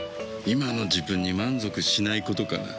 今の自分に満足しないことかな。